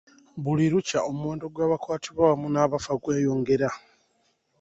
Buli lukya omuwendo gw’abakwatibwa wamu n’abafa gweyongera.